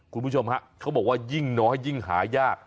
คุณผู้ชมฮะเขาบอกว่ายิ่งน้อยยิ่งหายาก